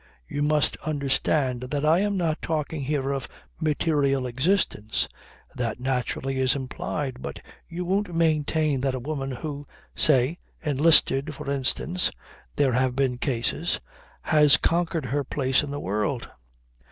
You must understand that I am not talking here of material existence. That naturally is implied; but you won't maintain that a woman who, say, enlisted, for instance (there have been cases) has conquered her place in the world.